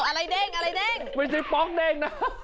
อะไรเด้งอะไรเด้ง